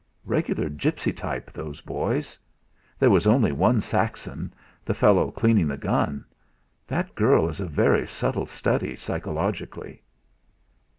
"Regular gipsy type, those boys. There was only one Saxon the fellow cleaning the gun. That girl is a very subtle study psychologically."